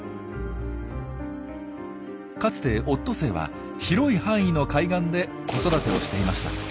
かつてオットセイは広い範囲の海岸で子育てをしていました。